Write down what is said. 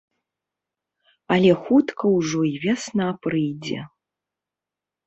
Але хутка ўжо і вясна прыйдзе.